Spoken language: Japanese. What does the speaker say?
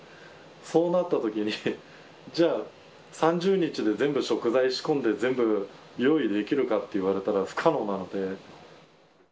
そうなったときに、じゃあ、３０日で全部食材仕込んで、全部用意できるかっていわれたら、不可能なので。